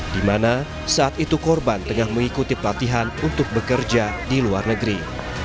di mana saat itu korban tengah mengikuti pelatihan untuk bekerja di luar negeri